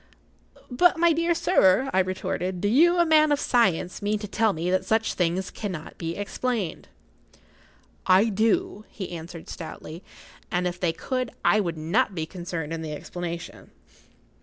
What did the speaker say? "But, my dear sir," I retorted, "do you, a man of science, mean to tell me that such things cannot be explained?" "I do," he answered, stoutly. "And, if they could, I would not be concerned in the explanation."